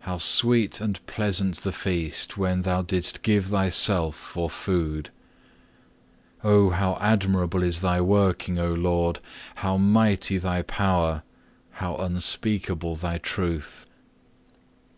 How sweet and pleasant the feast when Thou didst give Thyself for food! Oh how admirable is thy working, O Lord, how mighty Thy power, how unspeakable Thy truth!